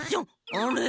あれ？